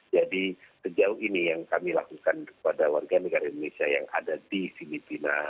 jadi sejauh ini yang kami lakukan kepada warga negara indonesia yang ada di filipina